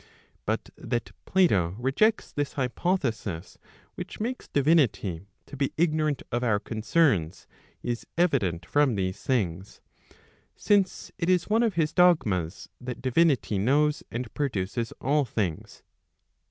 But that Plato rejects this hypothesis which makes divinity to be ignorant of our concerns, is evident from these things, since it is one of his dogmas, that divinity knows and produces all things.